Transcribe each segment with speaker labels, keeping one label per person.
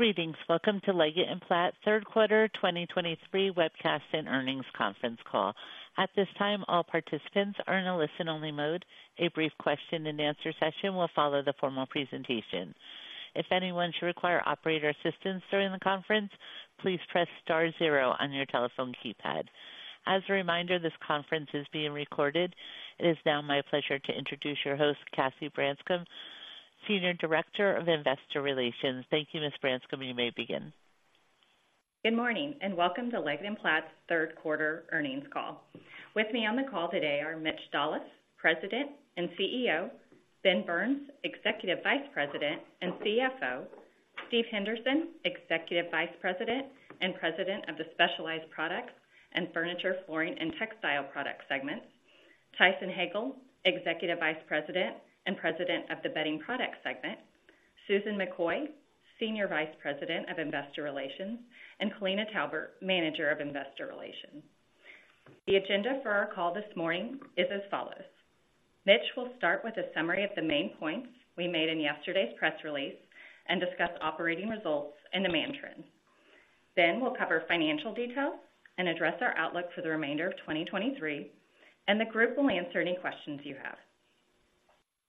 Speaker 1: Greetings. Welcome to Leggett & Platt's Q3 2023 webcast and earnings conference call. At this time, all participants are in a listen-only mode. A brief question-and-answer session will follow the formal presentation. If anyone should require operator assistance during the conference, please press star zero on your telephone keypad. As a reminder, this conference is being recorded. It is now my pleasure to introduce your host, Cassie Branscum, Senior Director of Investor Relations. Thank you, Ms. Branscum. You may begin.
Speaker 2: Good morning, and welcome to Leggett & Platt's Q3 earnings call. With me on the call today are Mitch Dolloff, President and CEO, Ben Burns, Executive Vice President and CFO, Steve Henderson, Executive Vice President and President of the Specialized Products and Furniture, Flooring, and Textile Products segments, Tyson Hagale, Executive Vice President and President of the Bedding Products segment, Susan McCoy, Senior Vice President of Investor Relations, and Kolina Talbert, Manager of Investor Relations. The agenda for our call this morning is as follows: Mitch will start with a summary of the main points we made in yesterday's press release and discuss operating results and demand trends. Then we'll cover financial details and address our outlook for the remainder of 2023, and the group will answer any questions you have.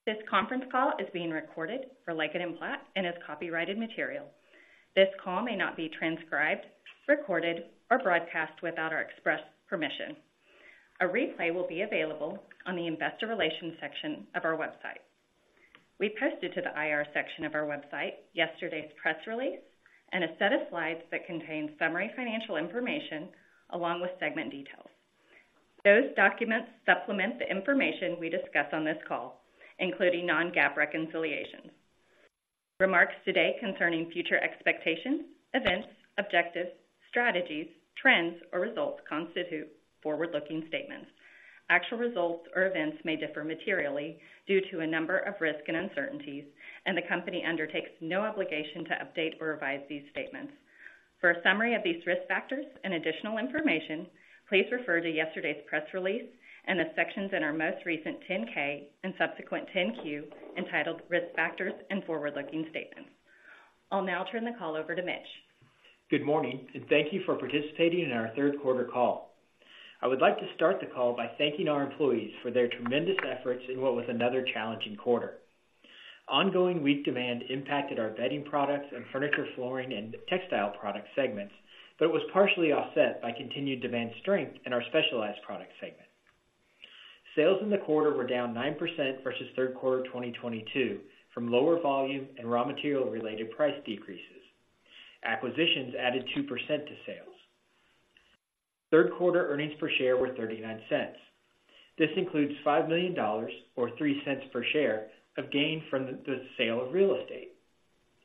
Speaker 2: This conference call is being recorded for Leggett & Platt and is copyrighted material. This call may not be transcribed, recorded, or broadcast without our express permission. A replay will be available on the investor relations section of our website. We posted to the IR section of our website yesterday's press release and a set of slides that contain summary financial information along with segment details. Those documents supplement the information we discuss on this call, including non-GAAP reconciliations. Remarks today concerning future expectations, events, objectives, strategies, trends, or results constitute forward-looking statements. Actual results or events may differ materially due to a number of risks and uncertainties, and the company undertakes no obligation to update or revise these statements. For a summary of these risk factors and additional information, please refer to yesterday's press release and the sections in our most recent 10-K and subsequent 10-Q entitled Risk Factors and Forward-Looking Statements. I'll now turn the call over to Mitch.
Speaker 3: Good morning, and thank you for participating in our Q3 call. I would like to start the call by thanking our employees for their tremendous efforts in what was another challenging quarter. Ongoing weak demand impacted our Bedding Products and Furniture, Flooring, and Textile Products segments, but it was partially offset by continued demand strength in our Specialized Products segment. Sales in the quarter were down 9% versus Q3 of 2022 from lower volume and raw material-related price decreases. Acquisitions added 2% to sales. Q3 earnings per share were $0.39. This includes $5 million, or $0.03 per share, of gain from the sale of real estate.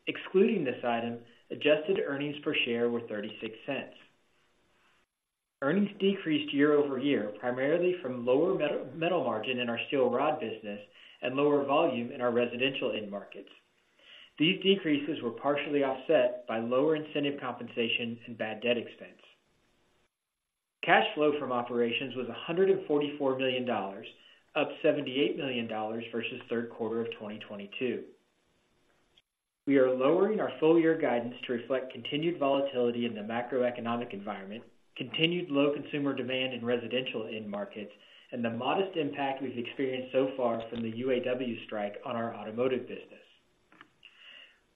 Speaker 3: Excluding this item, adjusted earnings per share were $0.36. Earnings decreased year-over-year, primarily from lower metal margin in our steel rod business and lower volume in our residential end markets. These decreases were partially offset by lower incentive compensation and bad debt expense. Cash flow from operations was $144 million, up $78 million versus Q3 of 2022. We are lowering our full-year guidance to reflect continued volatility in the macroeconomic environment, continued low consumer demand in residential end markets, and the modest impact we've experienced so far from the UAW strike on our automotive business.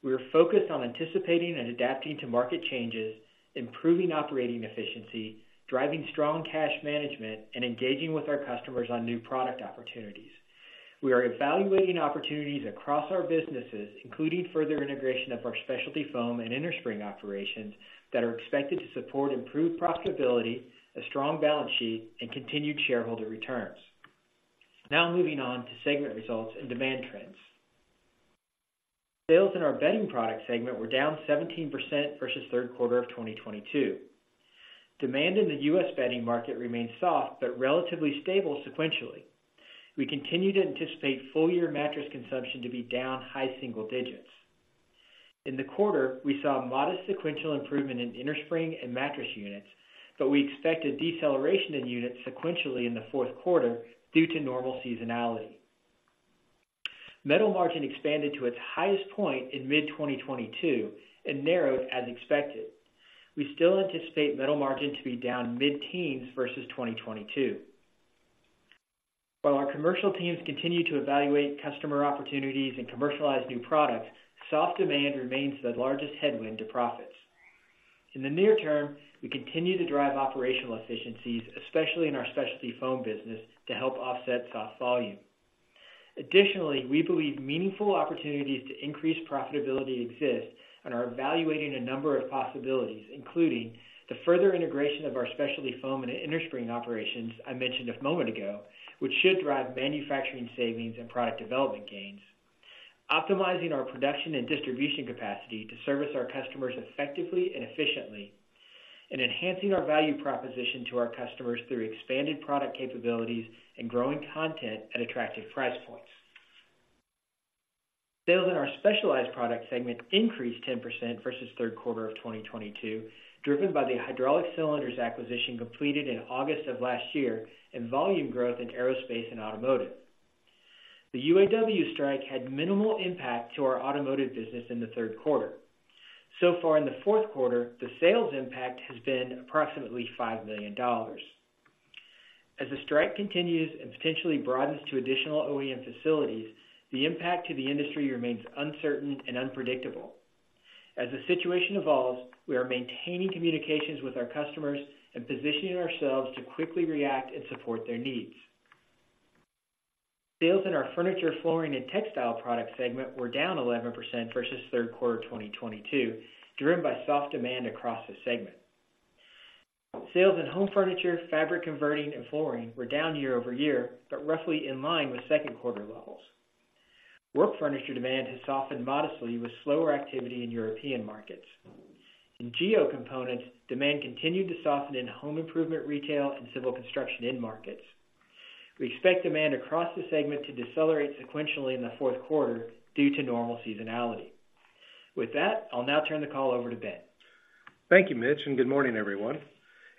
Speaker 3: We are focused on anticipating and adapting to market changes, improving operating efficiency, driving strong cash management, and engaging with our customers on new product opportunities. We are evaluating opportunities across our businesses, including further integration of our specialty foam and innerspring operations, that are expected to support improved profitability, a strong balance sheet, and continued shareholder returns. Now moving on to segment results and demand trends. Sales in our Bedding Products segment were down 17% versus Q3 of 2022. Demand in the U.S. bedding market remains soft but relatively stable sequentially. We continue to anticipate full-year mattress consumption to be down high single digits. In the quarter, we saw a modest sequential improvement in innerspring and mattress units, but we expect a deceleration in units sequentially in the Q4 due to normal seasonality. Metal margin expanded to its highest point in mid-2022 and narrowed as expected. We still anticipate metal margin to be down mid-teens versus 2022. While our commercial teams continue to evaluate customer opportunities and commercialize new products, soft demand remains the largest headwind to profits. In the near term, we continue to drive operational efficiencies, especially in our specialty foam business, to help offset soft volume. Additionally, we believe meaningful opportunities to increase profitability exist and are evaluating a number of possibilities, including the further integration of our specialty foam and innerspring operations I mentioned a moment ago, which should drive manufacturing savings and product development gains, optimizing our production and distribution capacity to service our customers effectively and efficiently, and enhancing our value proposition to our customers through expanded product capabilities and growing content at attractive price points. Sales in our Specialized Products segment increased 10% versus Q3 of 2022, driven by the hydraulic cylinders acquisition completed in August of last year and volume growth in aerospace and automotive. The UAW strike had minimal impact to our automotive business in the Q3. So far in the Q4, the sales impact has been approximately $5 million. As the strike continues and potentially broadens to additional OEM facilities, the impact to the industry remains uncertain and unpredictable. As the situation evolves, we are maintaining communications with our customers and positioning ourselves to quickly react and support their needs. Sales in our furniture, flooring, and textile product segment were down 11% versus Q3 2022, driven by soft demand across the segment. Sales in home furniture, fabric converting, and flooring were down year over year, but roughly in line with Q2 levels. Work furniture demand has softened modestly with slower activity in European markets. In Geo Components, demand continued to soften in home improvement, retail, and civil construction end markets. We expect demand across the segment to decelerate sequentially in the Q4 due to normal seasonality. With that, I'll now turn the call over to Ben.
Speaker 4: Thank you, Mitch, and good morning, everyone.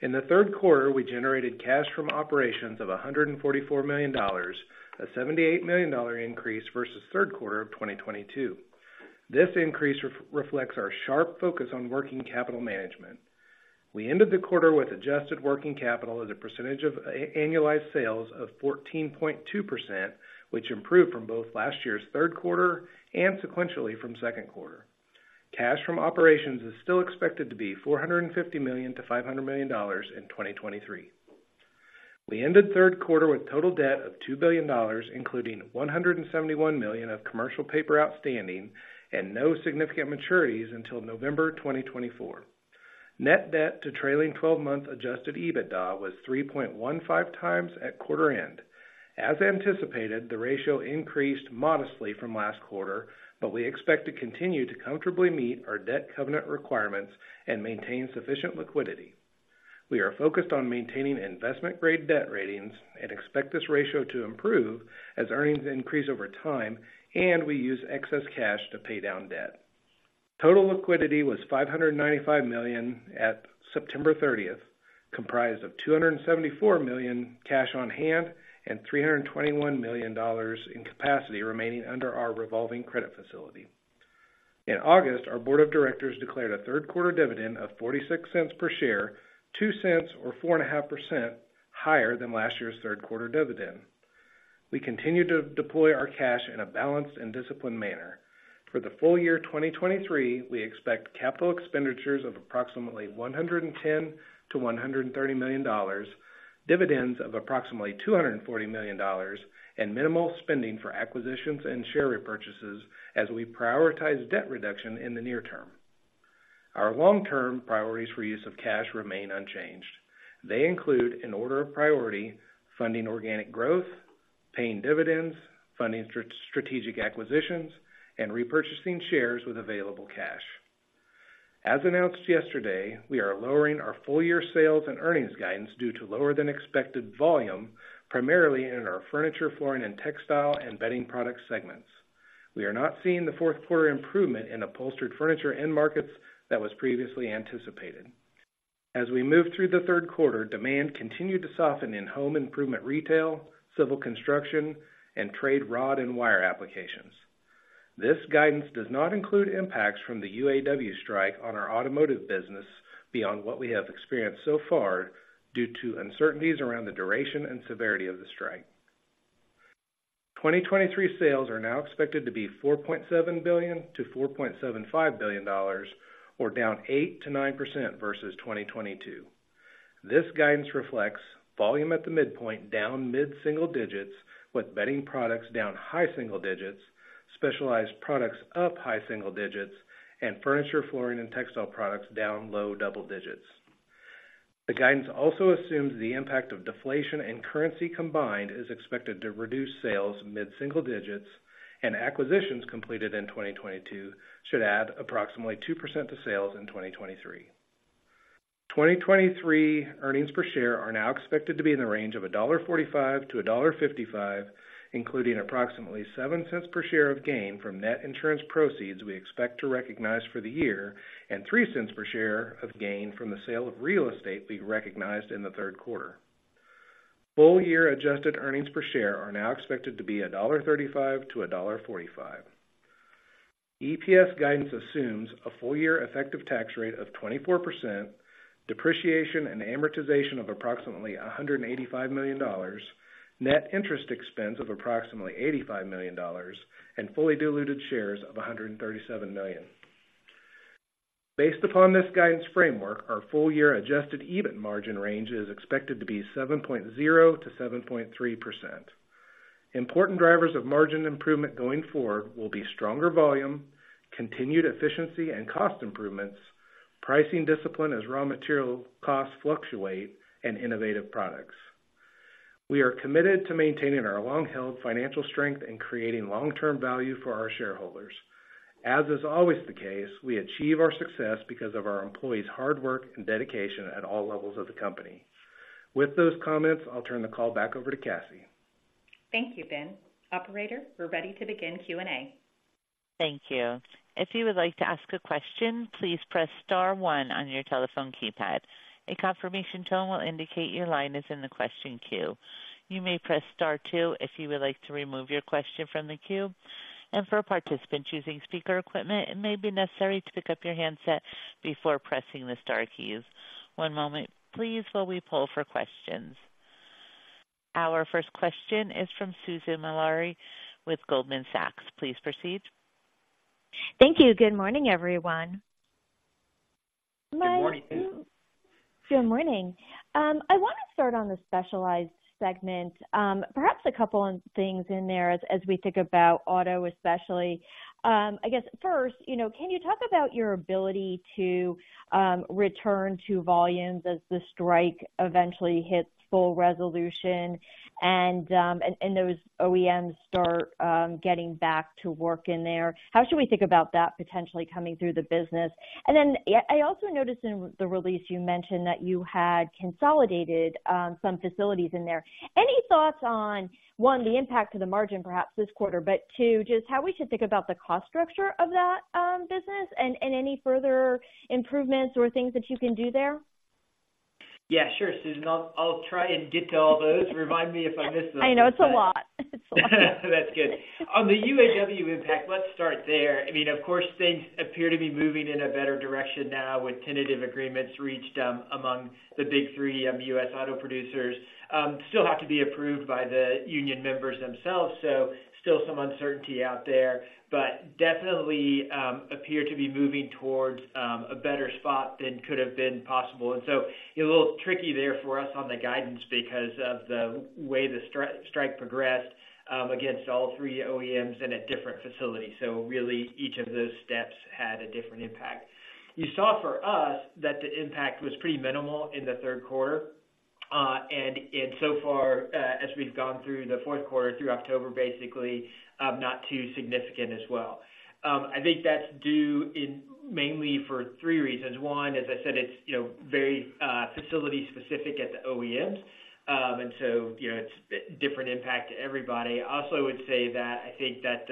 Speaker 4: In the Q3, we generated cash from operations of $144 million, a $78 million increase versus Q3 of 2022. This increase reflects our sharp focus on working capital management. We ended the quarter with adjusted working capital as a percentage of annualized sales of 14.2%, which improved from both last year's Q3 and sequentially from Q2. Cash from operations is still expected to be $450 million-$500 million in 2023. We ended Q3 with total debt of $2 billion, including $171 million of commercial paper outstanding and no significant maturities until November 2024. Net debt to trailing twelve-month Adjusted EBITDA was 3.15 times at quarter end. As anticipated, the ratio increased modestly from last quarter, but we expect to continue to comfortably meet our debt covenant requirements and maintain sufficient liquidity. We are focused on maintaining Investment Grade debt ratings and expect this ratio to improve as earnings increase over time, and we use excess cash to pay down debt. Total liquidity was $595 million at September 30, comprised of $274 million cash on hand and $321 million in capacity remaining under our revolving credit facility. In August, our board of directors declared a Q3 dividend of $0.46 per share, $0.02 or 4.5% higher than last year's Q3 dividend. We continue to deploy our cash in a balanced and disciplined manner. For the full year 2023, we expect capital expenditures of approximately $110 million-$130 million, dividends of approximately $240 million, and minimal spending for acquisitions and share repurchases as we prioritize debt reduction in the near term. Our long-term priorities for use of cash remain unchanged. They include, in order of priority, funding organic growth, paying dividends, funding strategic acquisitions, and repurchasing shares with available cash. As announced yesterday, we are lowering our full-year sales and earnings guidance due to lower-than-expected volume, primarily in our furniture, flooring, and textile and Bedding Products segments. We are not seeing the Q4 improvement in upholstered furniture end markets that was previously anticipated. As we moved through the Q3, demand continued to soften in home improvement, retail, civil construction, and trade rod and wire applications. This guidance does not include impacts from the UAW strike on our automotive business beyond what we have experienced so far, due to uncertainties around the duration and severity of the strike. 2023 sales are now expected to be $4.7 billion-$4.75 billion, or down 8%-9% versus 2022. This guidance reflects volume at the midpoint, down mid-single digits, with bedding products down high single digits, specialized products up high single digits, and furniture, flooring, and textile products down low double digits. The guidance also assumes the impact of deflation and currency combined is expected to reduce sales mid-single digits, and acquisitions completed in 2022 should add approximately 2% to sales in 2023. 2023 earnings per share are now expected to be in the range of $1.45-$1.55, including approximately $0.07 per share of gain from net insurance proceeds we expect to recognize for the year, and $0.03 per share of gain from the sale of real estate being recognized in the Q3. Full-year adjusted earnings per share are now expected to be $1.35-$1.45. EPS guidance assumes a full-year effective tax rate of 24%, depreciation and amortization of approximately $185 million, net interest expense of approximately $85 million, and fully diluted shares of 137 million. Based upon this guidance framework, our full-year adjusted EBIT margin range is expected to be 7.0%-7.3%. Important drivers of margin improvement going forward will be stronger volume, continued efficiency and cost improvements, pricing discipline as raw material costs fluctuate, and innovative products. We are committed to maintaining our long-held financial strength and creating long-term value for our shareholders. As is always the case, we achieve our success because of our employees' hard work and dedication at all levels of the company. With those comments, I'll turn the call back over to Cassie.
Speaker 2: Thank you, Ben. Operator, we're ready to begin Q&A....
Speaker 1: Thank you. If you would like to ask a question, please press star one on your telephone keypad. A confirmation tone will indicate your line is in the question queue. You may press star two if you would like to remove your question from the queue, and for a participant using speaker equipment, it may be necessary to pick up your handset before pressing the star keys. One moment, please, while we pull for questions. Our first question is from Susan Maklari with Goldman Sachs. Please proceed.
Speaker 5: Thank you. Good morning, everyone.
Speaker 3: Good morning.
Speaker 5: Good morning. I want to start on the specialized segment. Perhaps a couple of things in there as we think about auto, especially. I guess first, you know, can you talk about your ability to return to volumes as the strike eventually hits full resolution and those OEMs start getting back to work in there? How should we think about that potentially coming through the business? And then, I also noticed in the release you mentioned that you had consolidated some facilities in there. Any thoughts on, one, the impact to the margin, perhaps this quarter, but two, just how we should think about the cost structure of that business and any further improvements or things that you can do there?
Speaker 3: Yeah, sure, Susan. I'll try and get to all those. Remind me if I miss them.
Speaker 5: I know it's a lot. It's a lot.
Speaker 3: That's good. On the UAW impact, let's start there. I mean, of course, things appear to be moving in a better direction now, with tentative agreements reached, among the Big Three, U.S. auto producers. Still have to be approved by the union members themselves, so still some uncertainty out there, but definitely, appear to be moving towards, a better spot than could have been possible. And so a little tricky there for us on the guidance because of the way the strike progressed, against all three OEMs and at different facilities. So really, each of those steps had a different impact. You saw for us that the impact was pretty minimal in the Q3, and so far, as we've gone through the Q4, through October, basically, not too significant as well. I think that's due in mainly for three reasons. One, as I said, it's, you know, very facility specific at the OEMs. And so, you know, it's different impact to everybody. I also would say that I think that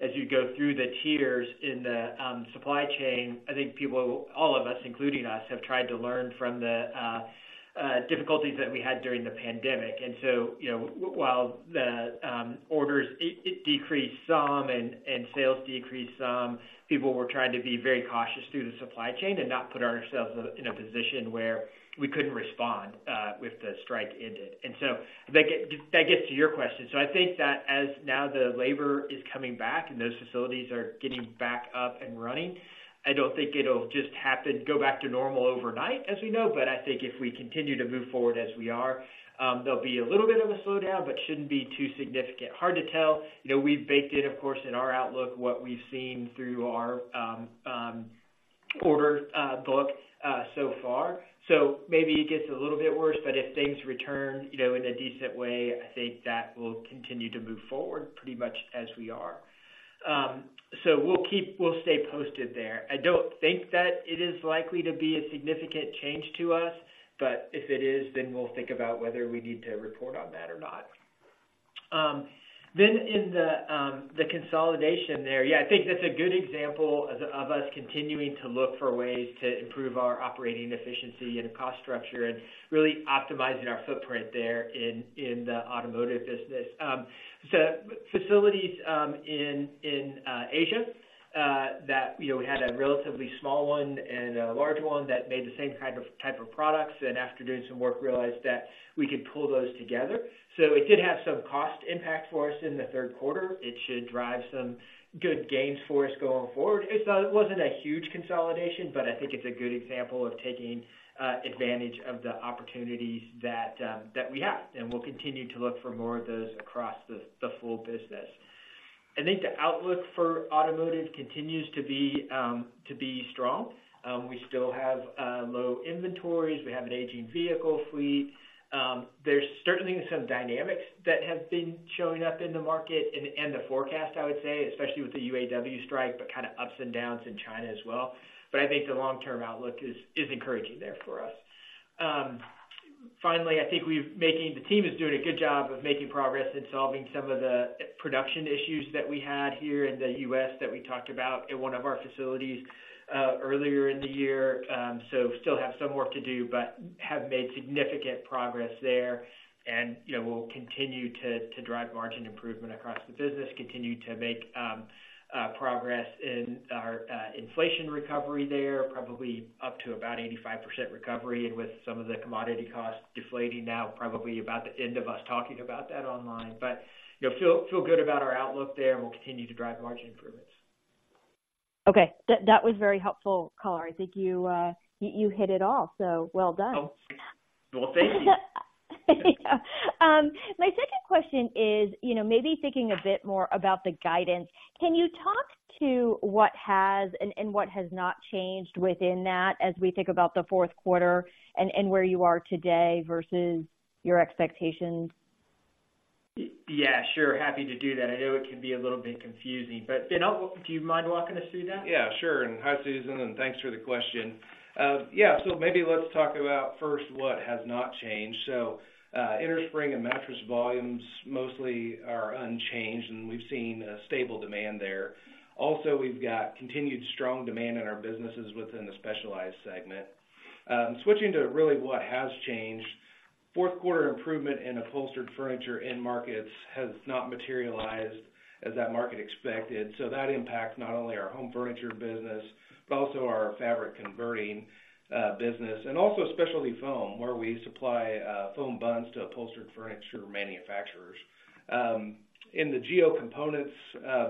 Speaker 3: as you go through the tiers in the supply chain, I think people, all of us, including us, have tried to learn from the difficulties that we had during the pandemic. And so, you know, while the orders, it decreased some and sales decreased some, people were trying to be very cautious through the supply chain and not put ourselves in a position where we couldn't respond if the strike ended. And so that gets to your question. So I think that as now the labor is coming back and those facilities are getting back up and running, I don't think it'll just happen, go back to normal overnight, as we know. But I think if we continue to move forward as we are, there'll be a little bit of a slowdown, but shouldn't be too significant. Hard to tell. You know, we've baked it, of course, in our outlook, what we've seen through our order book so far. So maybe it gets a little bit worse, but if things return, you know, in a decent way, I think that we'll continue to move forward pretty much as we are. So we'll keep... We'll stay posted there. I don't think that it is likely to be a significant change to us, but if it is, then we'll think about whether we need to report on that or not. Then in the consolidation there, yeah, I think that's a good example of us continuing to look for ways to improve our operating efficiency and cost structure and really optimizing our footprint there in the automotive business. So facilities in Asia that, you know, we had a relatively small one and a large one that made the same type of products, and after doing some work, realized that we could pull those together. So it did have some cost impact for us in the Q3. It should drive some good gains for us going forward. It wasn't a huge consolidation, but I think it's a good example of taking advantage of the opportunities that we have, and we'll continue to look for more of those across the full business. I think the outlook for automotive continues to be strong. We still have low inventories. We have an aging vehicle fleet. There's certainly some dynamics that have been showing up in the market and the forecast, I would say, especially with the UAW strike, but kind of ups and downs in China as well. But I think the long-term outlook is encouraging there for us. Finally, I think the team is doing a good job of making progress in solving some of the production issues that we had here in the U.S. that we talked about in one of our facilities earlier in the year. So still have some work to do, but have made significant progress there. And, you know, we'll continue to drive margin improvement across the business, continue to make progress in our inflation recovery there, probably up to about 85% recovery, and with some of the commodity costs deflating now, probably about the end of us talking about that online. But, you know, feel good about our outlook there, and we'll continue to drive margin improvements.
Speaker 5: Okay, that was very helpful, color. I think you hit it all, so well done.
Speaker 3: Well, thank you.
Speaker 5: My second question is, you know, maybe thinking a bit more about the guidance. Can you talk to what has and what has not changed within that as we think about the Q4 and where you are today versus your expectations?
Speaker 3: Yeah, sure. Happy to do that. I know it can be a little bit confusing, but, Ben, do you mind walking us through that?
Speaker 4: Yeah, sure. And hi, Susan, and thanks for the question. Yeah, so maybe let's talk about first what has not changed. So, Innerspring and mattress volumes mostly are unchanged, and we've seen a stable demand there. Also, we've got continued strong demand in our businesses within the specialized segment.... switching to really what has changed, Q4 improvement in upholstered furniture end markets has not materialized as that market expected. So that impacts not only our home furniture business, but also our fabric converting business, and also Specialty Foam, where we supply foam buns to upholstered furniture manufacturers. In the Geo Components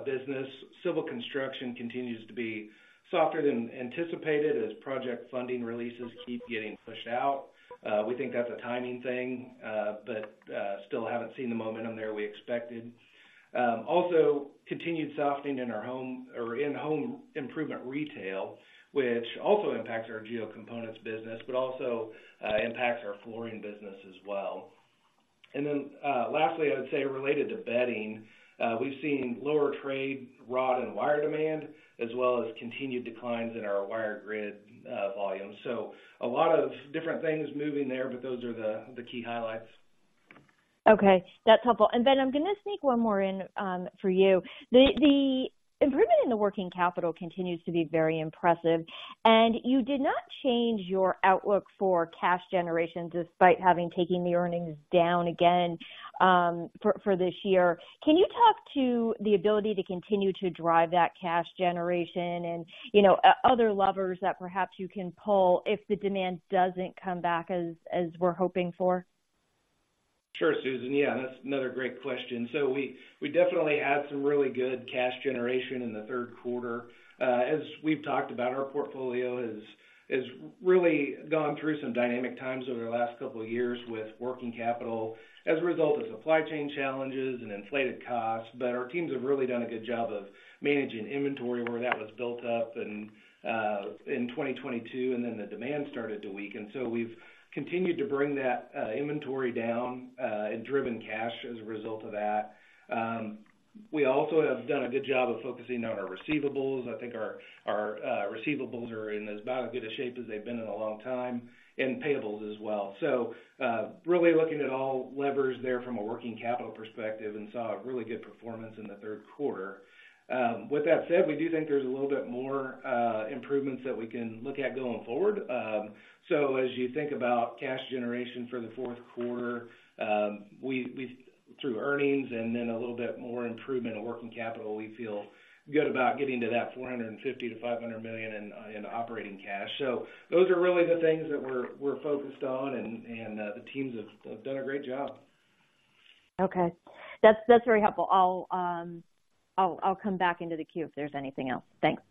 Speaker 4: business, civil construction continues to be softer than anticipated as project funding releases keep getting pushed out. We think that's a timing thing, but still haven't seen the momentum there we expected. Also, continued softening in our home or in home improvement retail, which also impacts our Geo Components business, but also impacts our flooring business as well. And then, lastly, I would say related to bedding, we've seen lower trade rod and wire demand, as well as continued declines in our wire grid volume. So a lot of different things moving there, but those are the key highlights.
Speaker 5: Okay, that's helpful. And Ben, I'm gonna sneak one more in for you. The improvement in the working capital continues to be very impressive, and you did not change your outlook for cash generations despite having taking the earnings down again for this year. Can you talk to the ability to continue to drive that cash generation and, you know, other levers that perhaps you can pull if the demand doesn't come back as we're hoping for?
Speaker 4: Sure, Susan. Yeah, that's another great question. So we definitely had some really good cash generation in the Q3. As we've talked about, our portfolio has really gone through some dynamic times over the last couple of years with working capital as a result of supply chain challenges and inflated costs. But our teams have really done a good job of managing inventory where that was built up and in 2022, and then the demand started to weaken. So we've continued to bring that inventory down and driven cash as a result of that. We also have done a good job of focusing on our receivables. I think our receivables are in about as good a shape as they've been in a long time, and payables as well. So, really looking at all levers there from a working capital perspective and saw a really good performance in the Q3. With that said, we do think there's a little bit more improvements that we can look at going forward. So as you think about cash generation for the Q4, we through earnings and then a little bit more improvement in working capital, we feel good about getting to that $450 million-$500 million in operating cash. So those are really the things that we're focused on, and the teams have done a great job.
Speaker 5: Okay. That's very helpful. I'll come back into the queue if there's anything else. Thanks.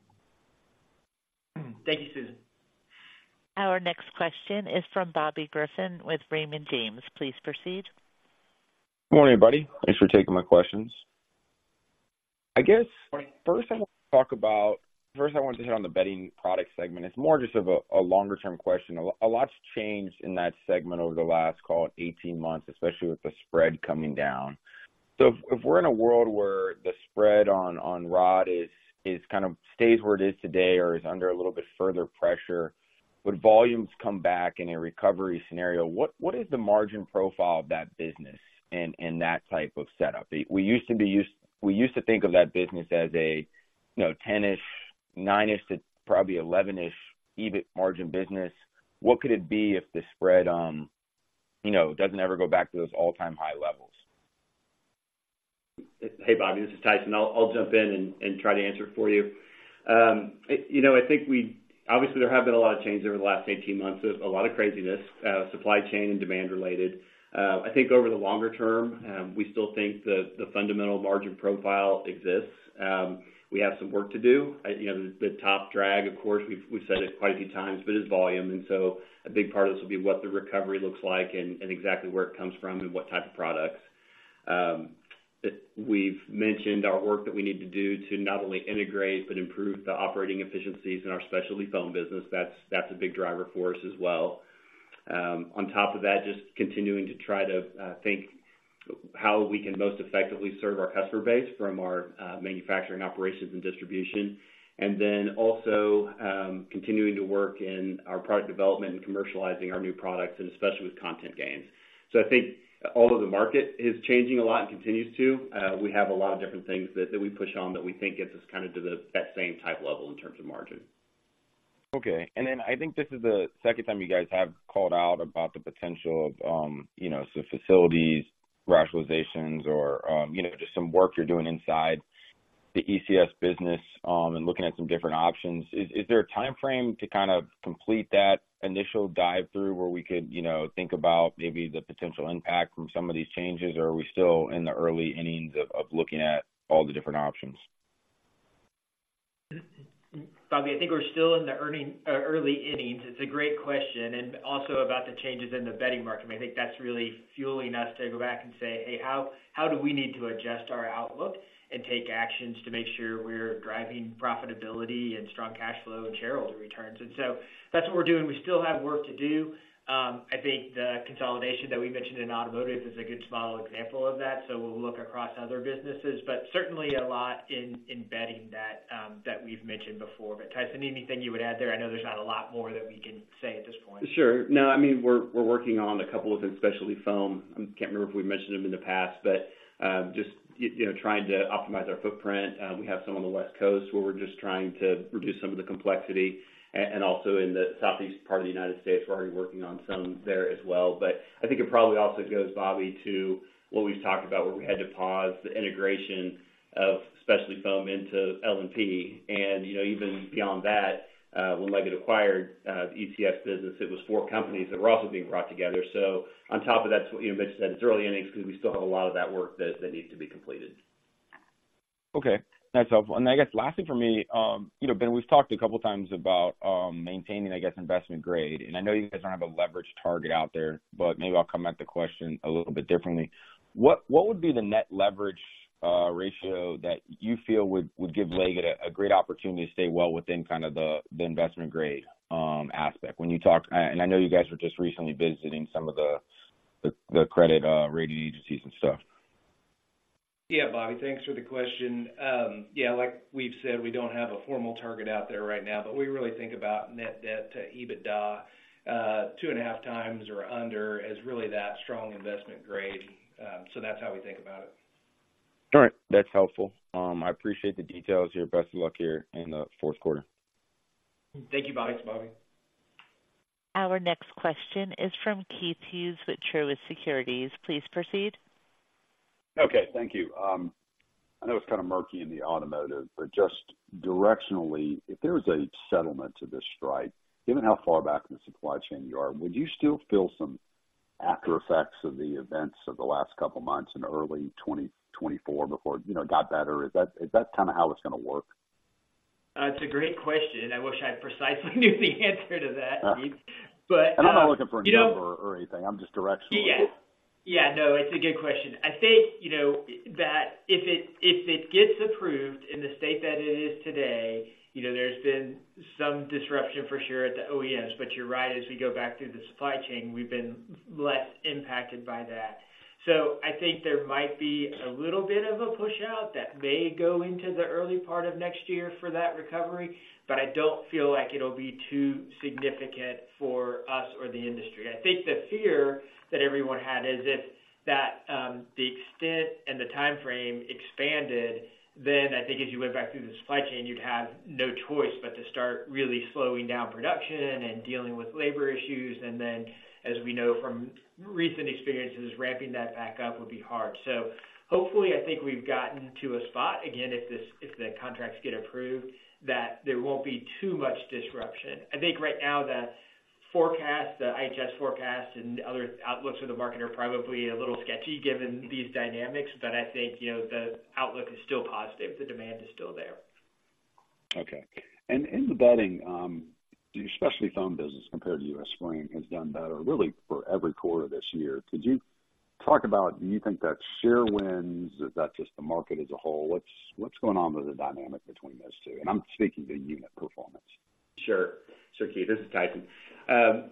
Speaker 4: Thank you, Susan.
Speaker 1: Our next question is from Bobby Griffin with Raymond James. Please proceed.
Speaker 6: Good morning, everybody. Thanks for taking my questions. I guess, first, I want to talk about, first, I want to hit on the Bedding Products segment. It's more just of a longer-term question. A lot's changed in that segment over the last, call it 18 months, especially with the spread coming down. So if, if we're in a world where the spread on, on rod is, is kind of, stays where it is today or is under a little bit further pressure, would volumes come back in a recovery scenario? What, what is the margin profile of that business in, in that type of setup? We used to be used, we used to think of that business as a, you know, 10-ish, 9-ish to probably 11-ish EBIT margin business. What could it be if the spread, you know, doesn't ever go back to those all-time high levels?
Speaker 7: Hey, Bobby, this is Tyson. I'll jump in and try to answer it for you. You know, I think we obviously, there have been a lot of changes over the last 18 months, so a lot of craziness, supply chain and demand related. I think over the longer term, we still think that the fundamental margin profile exists. We have some work to do. You know, the top drag, of course, we've said it quite a few times, but is volume. And so a big part of this will be what the recovery looks like and exactly where it comes from and what type of products. We've mentioned our work that we need to do to not only integrate, but improve the operating efficiencies in our specialty foam business. That's, that's a big driver for us as well. On top of that, just continuing to try to think how we can most effectively serve our customer base from our manufacturing operations and distribution, and then also, continuing to work in our product development and commercializing our new products, and especially with content gains. So I think although the market is changing a lot and continues to, we have a lot of different things that, that we push on that we think gets us kind of to the, that same type level in terms of margin.
Speaker 6: Okay. And then I think this is the second time you guys have called out about the potential of, you know, so facilities, rationalizations or, you know, just some work you're doing inside the ECS business, and looking at some different options. Is there a timeframe to kind of complete that initial dive-through where we could, you know, think about maybe the potential impact from some of these changes? Or are we still in the early innings of looking at all the different options?
Speaker 3: Bobby, I think we're still in the early innings. It's a great question, and also about the changes in the bedding market. I think that's really fueling us to go back and say, "Hey, how do we need to adjust our outlook and take actions to make sure we're driving profitability and strong cash flow and shareholder returns?" And so that's what we're doing. We still have work to do. I think the consolidation that we mentioned in automotive is a good small example of that, so we'll look across other businesses, but certainly a lot in bedding that we've mentioned before. But, Tyson, anything you would add there? I know there's not a lot more that we can say at this point.
Speaker 7: Sure. No, I mean, we're working on a couple of them, especially foam. I can't remember if we've mentioned them in the past, but just, you know, trying to optimize our footprint. We have some on the West Coast, where we're just trying to reduce some of the complexity, and also in the southeast part of the United States, we're already working on some there as well. But I think it probably also goes, Bobby, to what we've talked about, where we had to pause the integration of specialty foam into L&P. And, you know, even beyond that, when Leggett acquired the ECS business, it was four companies that were also being brought together. So on top of that, you know, as you mentioned, that it's early innings because we still have a lot of that work that needs to be completed....
Speaker 6: Okay, that's helpful. And I guess lastly for me, you know, Ben, we've talked a couple of times about maintaining, I guess, Investment Grade. And I know you guys don't have a leverage target out there, but maybe I'll come at the question a little bit differently. What would be the net leverage ratio that you feel would give Leggett a great opportunity to stay well within kind of the Investment Grade aspect? When you talk and I know you guys were just recently visiting some of the credit rating agencies and stuff.
Speaker 3: Yeah, Bobby, thanks for the question. Yeah, like we've said, we don't have a formal target out there right now, but we really think about net debt to EBITDA, 2.5x or under as really that strong Investment Grade. So that's how we think about it.
Speaker 6: All right. That's helpful. I appreciate the details here. Best of luck here in the Q4.
Speaker 3: Thank you, Bobby.
Speaker 7: Thanks, Bobby.
Speaker 1: Our next question is from Keith Hughes with Truist Securities. Please proceed.
Speaker 8: Okay, thank you. I know it's kind of murky in the automotive, but just directionally, if there was a settlement to this strike, given how far back in the supply chain you are, would you still feel some after effects of the events of the last couple of months in early 2024 before, you know, it got better? Is that, is that kind of how it's gonna work?
Speaker 3: It's a great question, and I wish I precisely knew the answer to that, Keith. But,
Speaker 8: I'm not looking for a number or anything. I'm just directionally.
Speaker 3: Yeah. Yeah, no, it's a good question. I think, you know, that if it, if it gets approved in the state that it is today, you know, there's been some disruption for sure at the OEMs, but you're right, as we go back through the supply chain, we've been less impacted by that. So I think there might be a little bit of a push out that may go into the early part of next year for that recovery, but I don't feel like it'll be too significant for us or the industry. I think the fear that everyone had is if that, the extent and the time frame expanded, then I think as you went back through the supply chain, you'd have no choice but to start really slowing down production and dealing with labor issues. And then, as we know from recent experiences, ramping that back up would be hard. So hopefully, I think we've gotten to a spot, again, if the contracts get approved, that there won't be too much disruption. I think right now, the forecast, the IHS forecast and other outlooks for the market are probably a little sketchy given these dynamics, but I think, you know, the outlook is still positive. The demand is still there.
Speaker 8: Okay. And in the bedding, your specialty foam business, compared to U.S. Spring, has done better really for every quarter this year. Could you talk about, do you think that's share wins? Is that just the market as a whole? What's, what's going on with the dynamic between those two? And I'm speaking to unit performance.
Speaker 9: Sure. Sure, Keith. This is Tyson.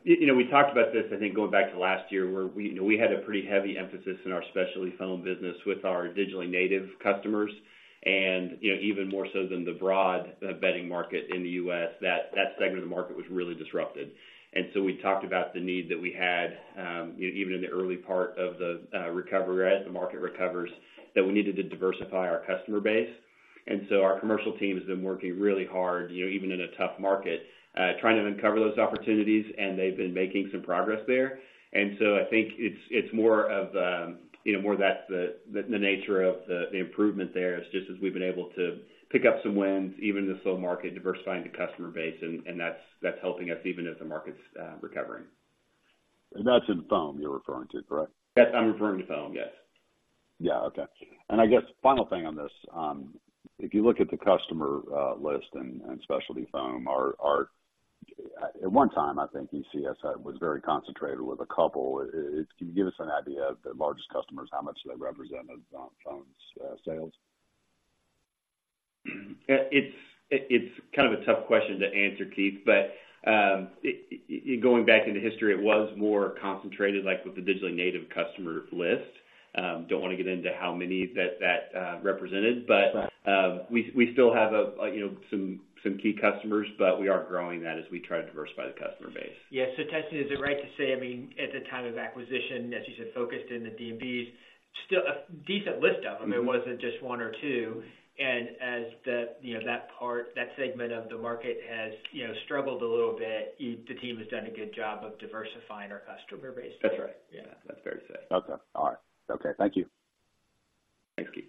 Speaker 9: You know, we talked about this, I think, going back to last year, where we, you know, we had a pretty heavy emphasis in our specialty foam business with our digitally native customers. And, you know, even more so than the broad bedding market in the U.S., that, that segment of the market was really disrupted. And so we talked about the need that we had, you know, even in the early part of the recovery, as the market recovers, that we needed to diversify our customer base. And so our commercial team has been working really hard, you know, even in a tough market, trying to uncover those opportunities, and they've been making some progress there. And so I think it's, it's more of, you know, more that's the, the nature of the, the improvement there.
Speaker 7: It's just as we've been able to pick up some wins, even in the slow market, diversifying the customer base, and that's helping us even as the market's recovering.
Speaker 8: That's in foam you're referring to, correct?
Speaker 7: Yes, I'm referring to foam, yes.
Speaker 8: Yeah, okay. And I guess final thing on this, if you look at the customer list and specialty foam, our. At one time, I think ECS was very concentrated with a couple. Can you give us an idea of the largest customers, how much do they represent of foam's sales?
Speaker 9: It's kind of a tough question to answer, Keith, but going back into history, it was more concentrated, like with the digitally native customer list. Don't want to get into how many that represented.
Speaker 8: Right.
Speaker 9: But, we still have a, you know, some key customers, but we are growing that as we try to diversify the customer base.
Speaker 3: Yeah. So Tyson, is it right to say, I mean, at the time of acquisition, as you said, focused in the DNBs, still a decent list of them?
Speaker 9: Mm-hmm.
Speaker 3: It wasn't just one or two. And as the, you know, that part, that segment of the market has, you know, struggled a little bit, the team has done a good job of diversifying our customer base.
Speaker 8: That's right. Yeah, that's fair to say. Okay. All right. Okay. Thank you.
Speaker 9: Thanks, Keith.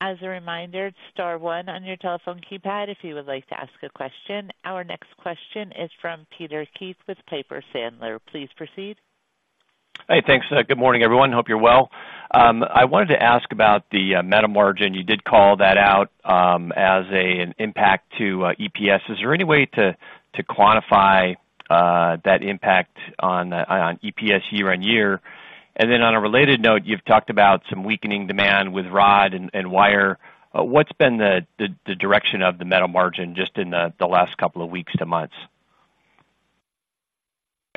Speaker 1: As a reminder, star one on your telephone keypad if you would like to ask a question. Our next question is from Peter Keith with Piper Sandler. Please proceed.
Speaker 10: Hey, thanks. Good morning, everyone. Hope you're well. I wanted to ask about the metal margin. You did call that out as an impact to EPS. Is there any way to quantify that impact on EPS year on year? And then on a related note, you've talked about some weakening demand with rod and wire. What's been the direction of the metal margin just in the last couple of weeks to months?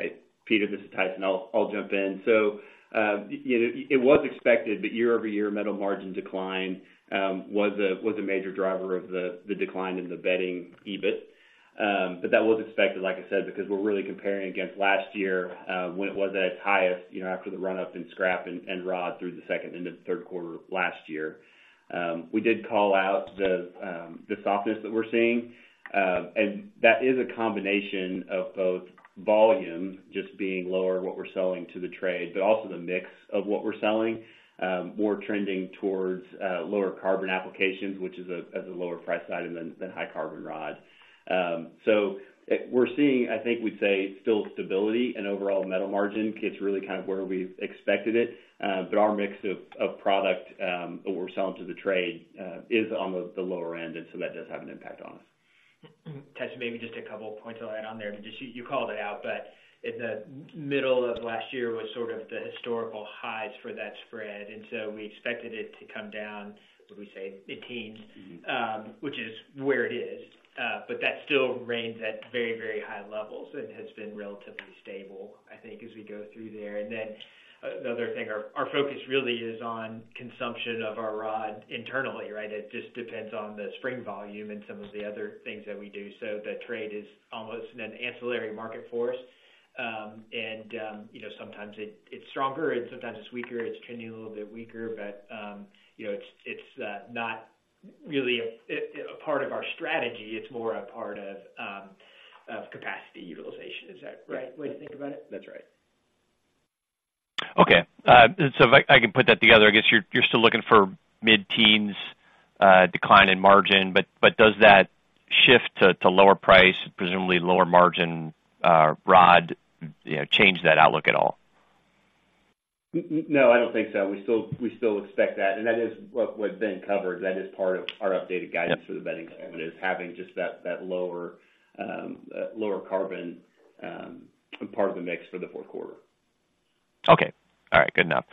Speaker 9: Right. Peter, this is Tyson. I'll jump in. So, you know, it was expected that year-over-year metal margin decline was a major driver of the decline in the Bedding EBIT. But that was expected, like I said, because we're really comparing against last year, when it was at its highest, you know, after the run-up in scrap and rod through the second into the Q3 of last year. We did call out the softness that we're seeing, and that is a combination of both volume just being lower, what we're selling to the trade, but also the mix of what we're selling, more trending towards lower carbon applications, which is a lower price item than high carbon rod.
Speaker 7: We're seeing, I think, we'd say, still stability in overall metal margin. It's really kind of where we expected it. But our mix of product, what we're selling to the trade, is on the lower end, and so that does have an impact on us....
Speaker 3: Ted, maybe just a couple of points I'll add on there, and just you, you called it out, but in the middle of last year was sort of the historical highs for that spread, and so we expected it to come down, what'd we say? Mid-teens, which is where it is. But that still remains at very, very high levels and has been relatively stable, I think, as we go through there. And then, the other thing, our focus really is on consumption of our rod internally, right? It just depends on the spring volume and some of the other things that we do. So the trade is almost an ancillary market force. And, you know, sometimes it, it's stronger, and sometimes it's weaker. It's trending a little bit weaker, but, you know, it's not really a part of our strategy, it's more a part of capacity utilization. Is that the right way to think about it?
Speaker 7: That's right.
Speaker 10: Okay, so if I can put that together, I guess you're still looking for mid-teens decline in margin, but does that shift to lower price, presumably lower margin, rod, you know, change that outlook at all?
Speaker 7: No, I don't think so. We still expect that, and that is what Ben covered. That is part of our updated guidance for the bedding segment, having just that lower carbon part of the mix for the Q4.
Speaker 10: Okay. All right. Good enough.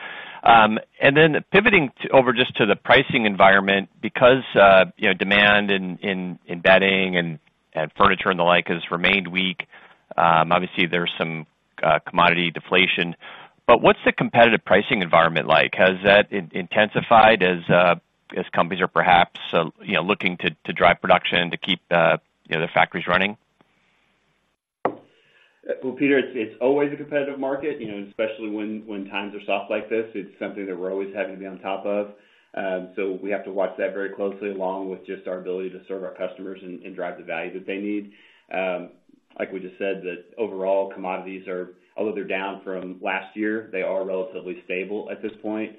Speaker 10: And then pivoting over just to the pricing environment, because, you know, demand in bedding and furniture and the like has remained weak, obviously, there's some commodity deflation. But what's the competitive pricing environment like? Has that intensified as companies are perhaps, you know, looking to drive production to keep the factories running?
Speaker 7: Well, Peter, it's always a competitive market, you know, especially when times are soft like this. It's something that we're always having to be on top of. So we have to watch that very closely, along with just our ability to serve our customers and drive the value that they need. Like we just said, overall, commodities are... Although they're down from last year, they are relatively stable at this point.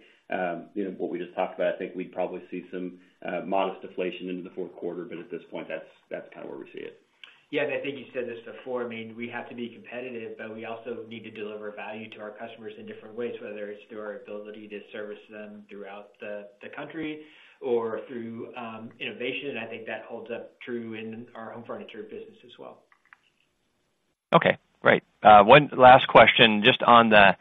Speaker 7: You know, what we just talked about, I think we'd probably see some modest deflation into the Q4, but at this point, that's kind of where we see it.
Speaker 3: Yeah, and I think you said this before, I mean, we have to be competitive, but we also need to deliver value to our customers in different ways, whether it's through our ability to service them throughout the country or through innovation. I think that holds up true in our home furniture business as well.
Speaker 10: Okay, great. One last question, just on the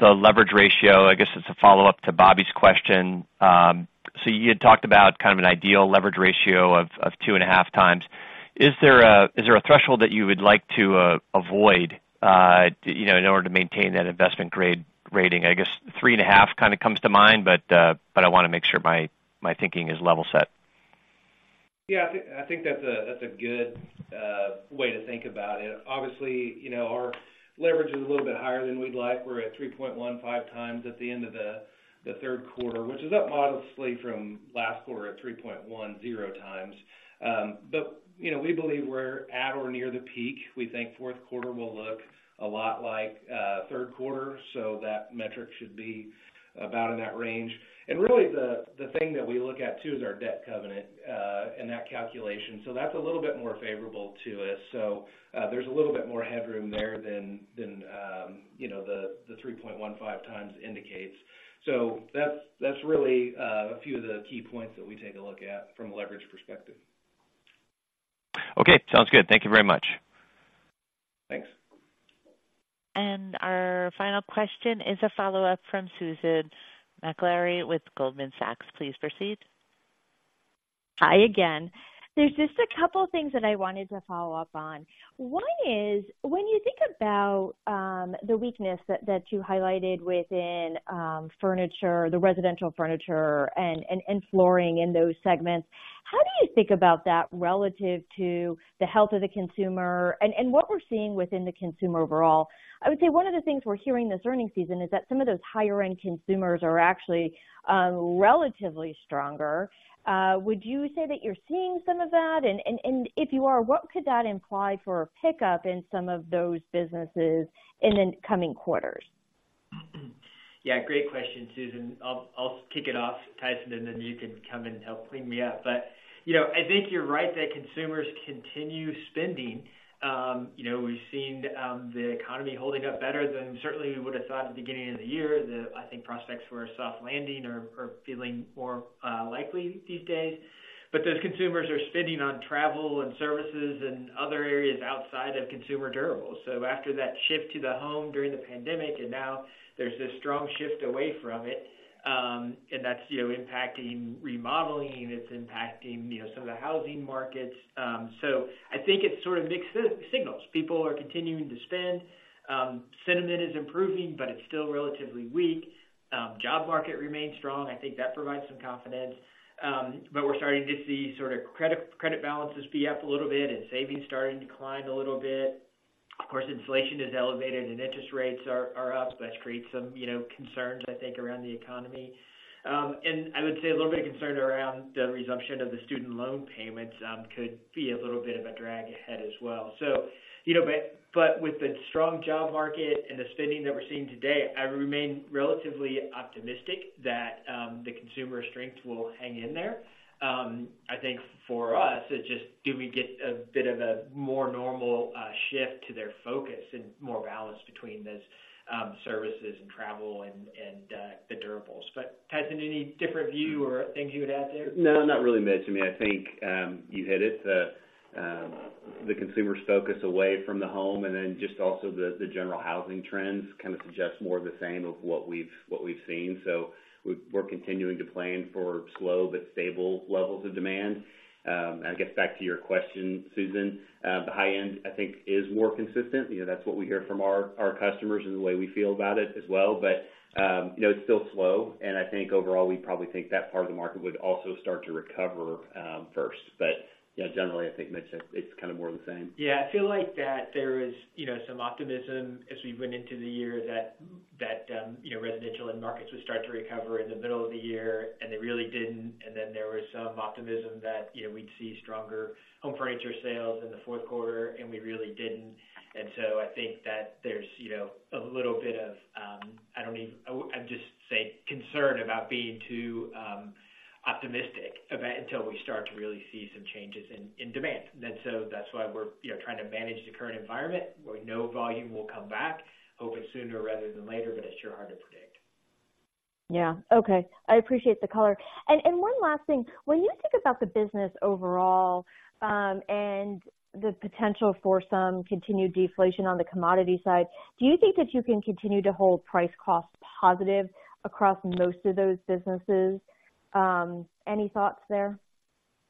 Speaker 10: leverage ratio. I guess it's a follow-up to Bobby's question. So you had talked about kind of an ideal leverage ratio of 2.5 times. Is there a threshold that you would like to avoid, you know, in order to maintain that investment-grade rating? I guess, 3.5 kind of comes to mind, but I wanna make sure my thinking is level set.
Speaker 7: Yeah, I think, I think that's a, that's a good way to think about it. Obviously, you know, our leverage is a little bit higher than we'd like. We're at 3.15 times at the end of the, the Q3, which is up modestly from last quarter at 3.10 times. But, you know, we believe we're at or near the peak. We think Q4 will look a lot like Q3, so that metric should be about in that range. And really, the, the thing that we look at, too, is our debt covenant, and that calculation. So that's a little bit more favorable to us. So, there's a little bit more headroom there than, than, you know, the, the 3.15 times indicates. So that's really a few of the key points that we take a look at from a leverage perspective.
Speaker 10: Okay, sounds good. Thank you very much.
Speaker 7: Thanks.
Speaker 1: Our final question is a follow-up from Susan Maklari with Goldman Sachs. Please proceed.
Speaker 5: Hi again. There's just a couple things that I wanted to follow up on. One is, when you think about the weakness that you highlighted within furniture, the residential furniture and flooring in those segments, how do you think about that relative to the health of the consumer and what we're seeing within the consumer overall? I would say one of the things we're hearing this earnings season is that some of those higher-end consumers are actually relatively stronger. Would you say that you're seeing some of that? And if you are, what could that imply for a pickup in some of those businesses in the coming quarters?
Speaker 3: Mm-hmm. Yeah, great question, Susan. I'll, I'll kick it off, Tyson, and then you can come and help clean me up. But, you know, I think you're right that consumers continue spending. You know, we've seen the economy holding up better than certainly we would have thought at the beginning of the year. I think prospects for a soft landing are feeling more likely these days. But those consumers are spending on travel and services and other areas outside of consumer durables. So after that shift to the home during the pandemic, and now there's this strong shift away from it, and that's, you know, impacting remodeling, it's impacting, you know, some of the housing markets. So I think it's sort of mixed signals. People are continuing to spend, sentiment is improving, but it's still relatively weak. Job market remains strong. I think that provides some confidence. But we're starting to see sort of credit balances be up a little bit and savings starting to decline a little bit... Of course, inflation is elevated and interest rates are up. So that's created some, you know, concerns, I think, around the economy. And I would say a little bit of concern around the resumption of the student loan payments could be a little bit of a drag ahead as well. So, you know, but with the strong job market and the spending that we're seeing today, I remain relatively optimistic that the consumer strength will hang in there. I think for us, it's just do we get a bit of a more normal shift to their focus and more balance between those services and travel and the durables. But Tyson, any different view or things you would add there?
Speaker 9: No, not really, Mitch. I mean, I think, you hit it. The, the consumer's focus away from the home, and then just also the, the general housing trends kind of suggest more of the same of what we've, what we've seen. So we're continuing to plan for slow but stable levels of demand. I guess back to your question, Susan, the high end, I think, is more consistent. You know, that's what we hear from our, our customers and the way we feel about it as well. But, you know, it's still slow, and I think overall, we probably think that part of the market would also start to recover, first. But, you know, generally, I think, Mitch, it's kind of more of the same.
Speaker 3: Yeah. I feel like there is, you know, some optimism as we went into the year that residential end markets would start to recover in the middle of the year, and they really didn't. And then there was some optimism that, you know, we'd see stronger home furniture sales in the Q4, and we really didn't. And so I think that there's, you know, a little bit of, I'll just say, concerned about being too optimistic about until we start to really see some changes in demand. And so that's why we're, you know, trying to manage the current environment. We know volume will come back, hoping sooner rather than later, but it's sure hard to predict.
Speaker 5: Yeah. Okay. I appreciate the color. And one last thing. When you think about the business overall, and the potential for some continued deflation on the commodity side, do you think that you can continue to hold price cost positive across most of those businesses? Any thoughts there?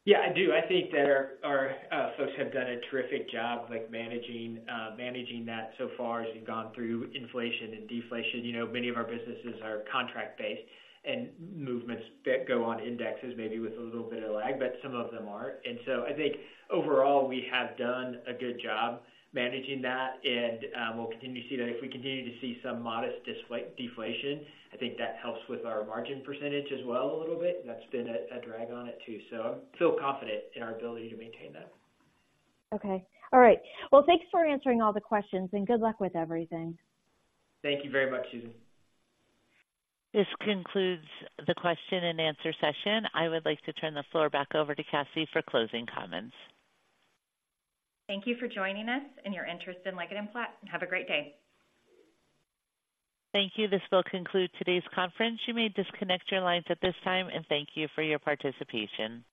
Speaker 3: Yeah, I do. I think that our folks have done a terrific job, like, managing that so far as you've gone through inflation and deflation. You know, many of our businesses are contract-based, and movements that go on indexes, maybe with a little bit of lag, but some of them aren't. And so I think overall, we have done a good job managing that, and we'll continue to see that. If we continue to see some modest deflation, I think that helps with our margin percentage as well a little bit. That's been a drag on it, too. So I feel confident in our ability to maintain that.
Speaker 5: Okay. All right. Well, thanks for answering all the questions, and good luck with everything.
Speaker 3: Thank you very much, Susan.
Speaker 1: This concludes the question and answer session. I would like to turn the floor back over to Cassie for closing comments.
Speaker 2: Thank you for joining us and your interest in Leggett & Platt, and have a great day.
Speaker 1: Thank you. This will conclude today's conference. You may disconnect your lines at this time, and thank you for your participation.